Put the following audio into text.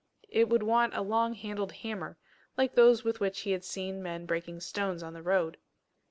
It would want a long handled hammer like those with which he had seen men breaking stones on the road.